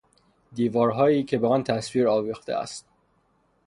دیوارهایی که به آن تصویر آویخته است